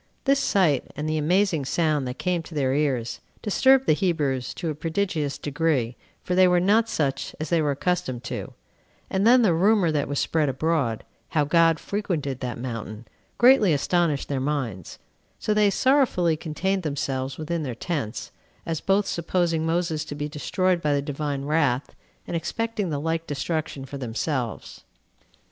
This sight, and the amazing sound that came to their ears, disturbed the Hebrews to a prodigious degree, for they were not such as they were accustomed to; and then the rumor that was spread abroad, how God frequented that mountain, greatly astonished their minds, so they sorrowfully contained themselves within their tents, as both supposing Moses to be destroyed by the Divine wrath, and expecting the like destruction for themselves.